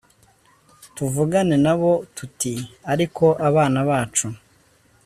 tuvugane nabo tuti ariko bana bacu